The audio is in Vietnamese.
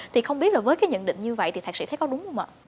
thì không biết là với cái nhận định như vậy thì thạc sĩ thấy có đúng không ạ